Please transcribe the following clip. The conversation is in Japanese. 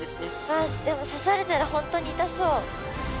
あっでも刺されたら本当に痛そう。